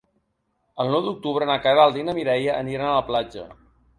El nou d'octubre na Queralt i na Mireia aniran a la platja.